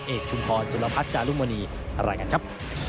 ชุมพรสุรพัฒน์จารุมณีอะไรกันครับ